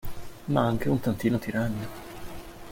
Ma anche un tantino tiranna.